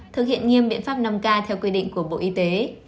thực hiện nghiêm biện pháp năm k theo quy định của bộ y tế